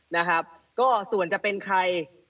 นะครับก็ส่วนจะเป็นใคร